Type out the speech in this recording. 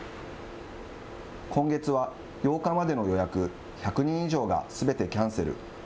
今月は８日までの予約１００人以上がすべてキャンセル。